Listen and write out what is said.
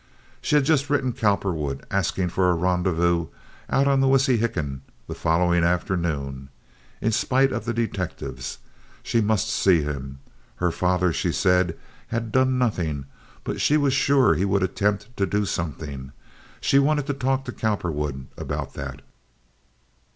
She had just written Cowperwood asking for a rendezvous out on the Wissahickon the following afternoon, in spite of the detectives. She must see him. Her father, she said, had done nothing; but she was sure he would attempt to do something. She wanted to talk to Cowperwood about that.